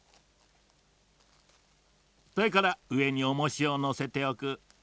それからうえにおもしをのせておく。